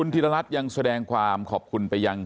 ธิรรัฐยังแสดงความขอบคุณไปยัง